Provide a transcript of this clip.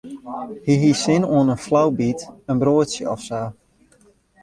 Hy hie sin oan in flaubyt, in broadsje of sa.